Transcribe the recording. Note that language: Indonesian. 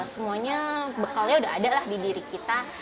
semuanya bekalnya sudah ada di diri kita